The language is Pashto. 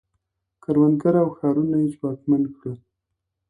کروندګر او ښارونه یې ځواکمن کړل